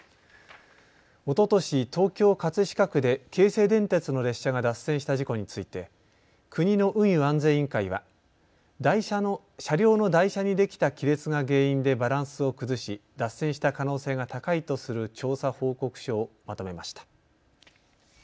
おととし、東京葛飾区で京成電鉄の列車が脱線した事故について国の運輸安全委員会は車両の台車にできた亀裂が原因でバランスを崩し脱線した可能性が高いとする調査報告書をまとめました。